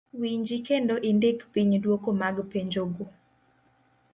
winji kendo indik piny duoko mag penjogo.